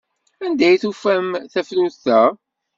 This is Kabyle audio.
Anda ay tufam tafrut-a?